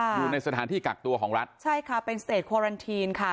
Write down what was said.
อยู่ในสถานที่กักตัวของรัฐใช่ค่ะเป็นเศษควารันทีนค่ะ